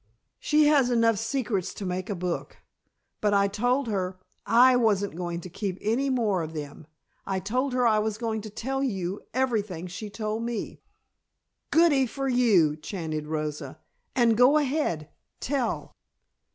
"She has enough secrets to make a book. But I told her I wasn't going to keep any more of them. I told her I was going to tell you everything she told me." "Goody for you!" chanted Rosa. "And go ahead tell."